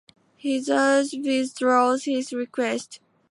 He thus withdraws his request.